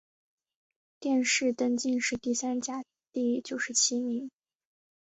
殿试登进士第三甲第九十七名。